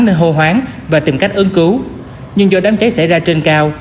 nên hô hoáng và tìm cách ứng cứu nhưng do đám cháy xảy ra trên cao